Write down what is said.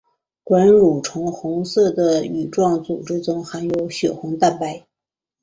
管蠕虫红色的羽状组织中含有血红蛋白。